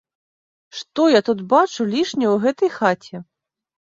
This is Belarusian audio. Што я тут бачу лішне ў гэтай хаце?